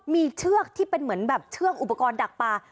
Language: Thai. มีเชือกที่เป็นเหมือนแบบเชือกอุปกรณ์ดักปลา